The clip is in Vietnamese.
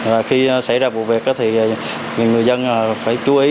và khi xảy ra vụ việc thì người dân phải chú ý